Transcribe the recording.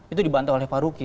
itu dibantah oleh pak ruki